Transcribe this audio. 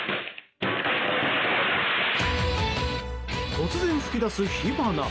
突然、噴き出す火花。